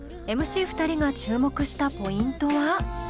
ＭＣ２人が注目したポイントは？